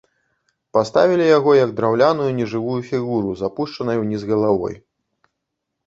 Паставілі яго, як драўляную нежывую фігуру з апушчанай уніз галавой.